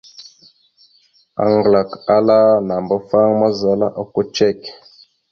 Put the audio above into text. Aŋglak ala nàambafaŋ naazala okko cek.